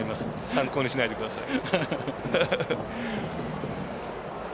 参考にしないでください。